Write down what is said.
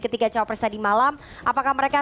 ketiga cowok presiden malam apakah mereka